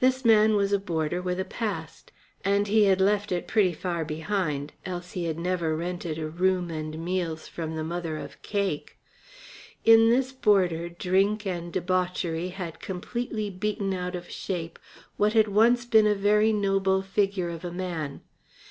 This boarder was a man with a past. And he had left it pretty far behind, else he had never rented a room and meals from the mother of Cake. In this boarder drink and debauchery had completely beaten out of shape what had once been a very noble figure of a man.